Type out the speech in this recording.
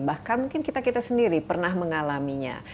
bahkan mungkin kita kita sendiri pernah mengalaminya